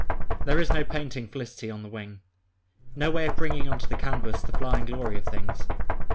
There is no painting Felicity on the wing! No way of bringing on to the canvas the flying glory of things!